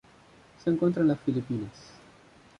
Se encuentra en las Filipinas.